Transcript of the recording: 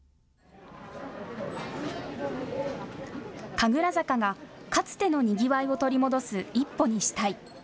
神楽坂が、かつてのにぎわいを取り戻す一歩にしたい。